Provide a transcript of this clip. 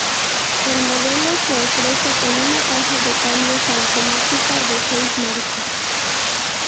El modelo se ofrece con una caja de cambios automática de seis marchas.